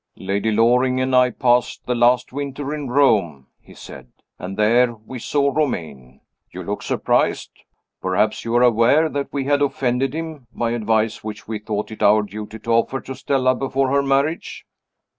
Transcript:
"Lady Loring and I passed the last winter in Rome," he said. "And, there, we saw Romayne. You look surprised. Perhaps you are aware that we had offended him, by advice which we thought it our duty to offer to Stella before her marriage?"